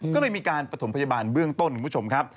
ก็เลยมีการประถมพยาบาลเบื้องต้นคุณผู้ชมครับ